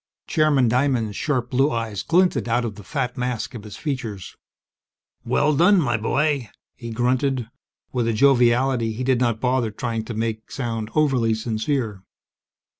Chairman Diamond's sharp blue eyes glinted out of the fat mask of his features. "Well done, my boy!" he grunted, with a joviality he did not bother trying to make sound overly sincere.